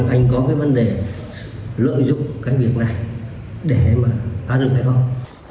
anh có cái vấn đề lợi dụng cái việc này để mà phá rừng hay không